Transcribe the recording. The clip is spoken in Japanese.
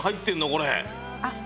これ。